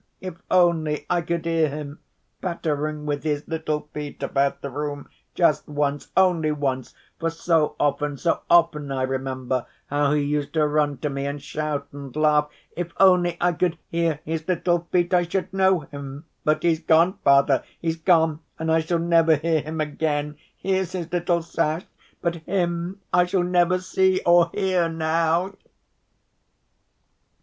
If only I could hear him pattering with his little feet about the room just once, only once; for so often, so often I remember how he used to run to me and shout and laugh, if only I could hear his little feet I should know him! But he's gone, Father, he's gone, and I shall never hear him again. Here's his little sash, but him I shall never see or hear now."